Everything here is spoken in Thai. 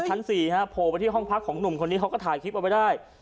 ชั้น๔โผล่ไปที่ห้องพักของหนุ่มคนนี้เขาก็ถ่ายคลิปเอาไว้ได้